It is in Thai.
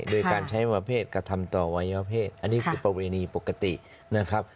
โดยการใช้ประเภทกระทำต่อวัยวะเพศอันนี้คือประเวณีปกตินะครับ